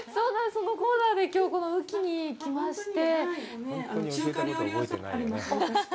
そのコーナーできょう、この宇城に来まして。